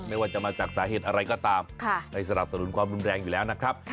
ไม่ว่าจะมาจากสาเหตุอะไรก็ตามไปสนับสนุนความรุนแรงอยู่แล้วนะครับ